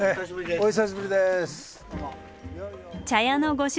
お久しぶりです。